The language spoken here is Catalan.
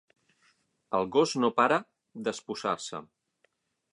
El gos no para d'espuçar-se.